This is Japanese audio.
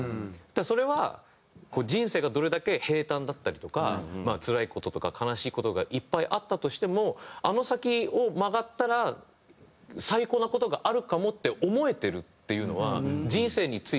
それは人生がどれだけ平たんだったりとかつらい事とか悲しい事がいっぱいあったとしてもあの先を曲がったら最高な事があるかもって思えてるっていうのは。